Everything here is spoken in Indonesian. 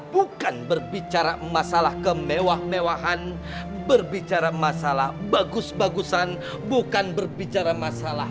bukan berbicara masalah kemewah mewahan berbicara masalah bagus bagusan bukan berbicara masalah